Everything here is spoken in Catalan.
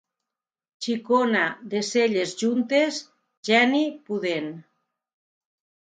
Xicona de celles juntes, geni pudent.